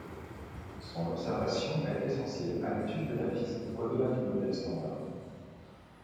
Son observation est essentielle à l'étude de la physique au-delà du modèle standard.